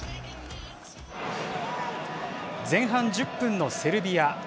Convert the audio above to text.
前半１０分のセルビア。